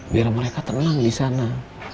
biar mereka tenang di sana